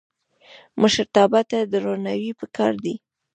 مشرتابه ته درناوی پکار دی